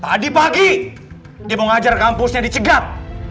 tadi pagi dia mau ngajar kampusnya dicegat